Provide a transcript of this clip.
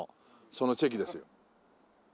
そのチェキです。